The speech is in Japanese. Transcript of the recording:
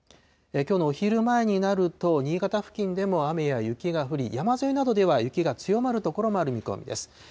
きょうのお昼前になると、新潟付近でも雨や雪が降り、山沿いなどでは雪が強まる所もある見込みです。